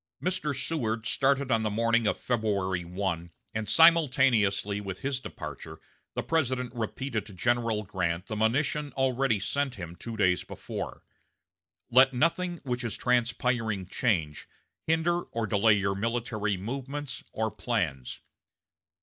Mr. Seward started on the morning of February 1, and simultaneously with his departure the President repeated to General Grant the monition already sent him two days before: "Let nothing which is transpiring change, hinder, or delay your military movements or plans."